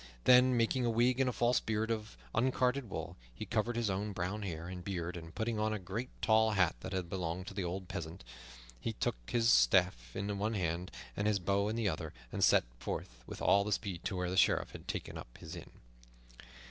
Then, making a wig and false beard of uncarded wool, he covered his own brown hair and beard, and, putting on a great, tall hat that had belonged to the old peasant, he took his staff in one hand and his bow in the other, and set forth with all speed to where the Sheriff had taken up his inn.